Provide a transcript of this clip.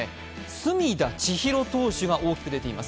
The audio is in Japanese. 隅田知一郎投手が大きく一面に出ています。